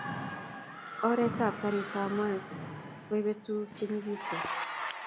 Oret ab garit ab mat koibe tuguk che nyigisen